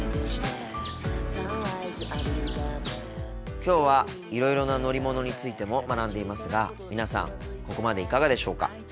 きょうはいろいろな乗り物についても学んでいますが皆さんここまでいかがでしょうか？